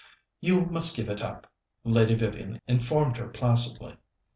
"You must give it up," Lady Vivian informed her placidly.